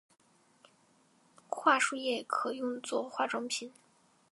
桦树液也可用做化妆品。